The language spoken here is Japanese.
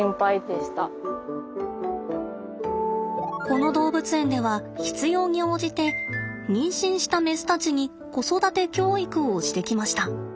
この動物園では必要に応じて妊娠したメスたちに子育て教育をしてきました。